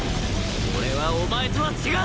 俺はお前とは違う！